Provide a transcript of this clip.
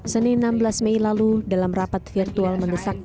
senin enam belas mei lalu dalam rapat virtual mendesak